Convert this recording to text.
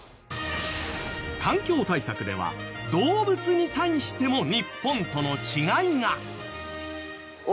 環境対策では動物に対しても日本との違いが。